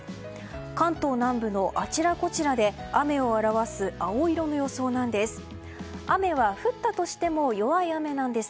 関東南部のあちらこちらで雨を表す青色の予想なんです。